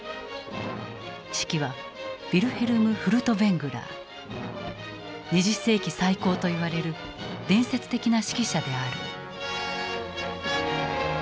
指揮は２０世紀最高と言われる伝説的な指揮者である。